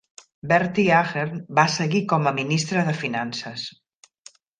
Bertie Ahern va seguir com a ministre de finances.